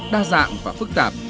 đa dạng và phức tạp